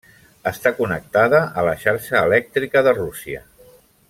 Està connectada a la xarxa elèctrica de Rússia.